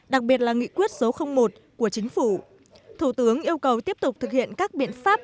đặc biệt là nghị quyết số một của chính phủ thủ tướng yêu cầu tiếp tục thực hiện các biện pháp